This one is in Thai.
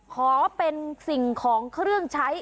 ขอเป็นสิ่งของเครื่องใช้